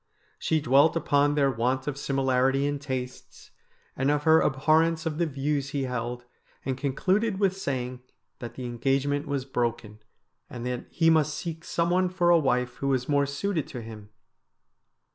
She dwelt upon their want of similarity in tastes, and of her ab horrence of the views he held, and concluded with sayino that the engagement was broken, and that he must seek some one for a wife who was more suited to him.